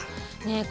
ねえ